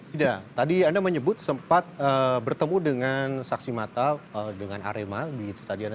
tidak tadi anda menyebut sempat bertemu dengan saksi mata dengan arema di stadion